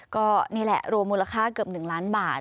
ก็นี่แหละรวมมูลค่าเกือบ๑ล้านบาท